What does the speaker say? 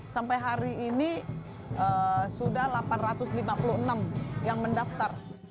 sampai hari ini sudah delapan ratus lima puluh enam yang mendaftar